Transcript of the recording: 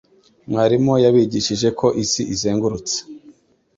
Mwarimu yabigishije ko isi izengurutse.